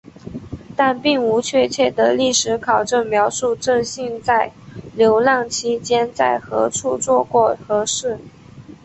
但并无确切的历史考证描述正信在流浪期间在何处做过何事。